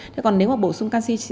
thế còn nếu mà bổ sung canxi